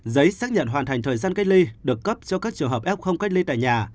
điều kiện hoàn thành thời gian cách ly được cấp cho các trường hợp f cách ly tại nhà